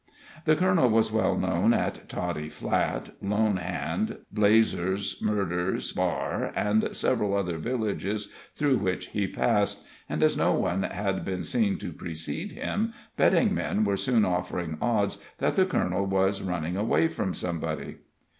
The colonel was well known at Toddy Flat, Lone Hand, Blazers, Murderer's Bar, and several other villages through which he passed, and as no one had been seen to precede him, betting men were soon offering odds that the colonel was running away from somebody.